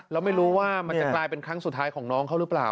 แล้วไม่รู้ว่ามันจะกลายเป็นครั้งสุดท้ายของน้องเขาหรือเปล่า